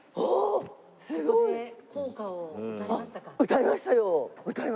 歌いました。